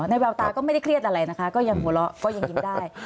แววตาก็ไม่ได้เครียดอะไรนะคะก็ยังหัวเราะก็ยังยิ้มได้